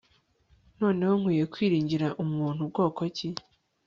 Noneho nkwiye kwiringira Umuntu bwoko ki